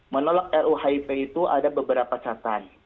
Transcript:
menolak ruhip itu ada beberapa catatan